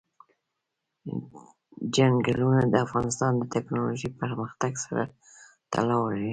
چنګلونه د افغانستان د تکنالوژۍ پرمختګ سره تړاو لري.